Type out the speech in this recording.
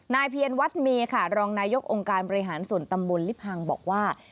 นายเพียรวัตมีรองนายกองการบริหารส่วนตำบลลิภังบอกว่า